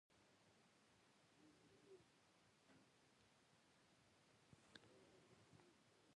ایا زه باید په ننګرهار کې اوسم؟